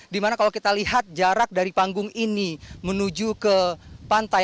dimana kalau kita lihat jarak dari panggung ini menuju ke pantai